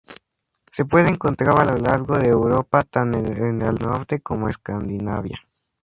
Se puede encontrar a lo largo de Europa tan al norte como Escandinavia.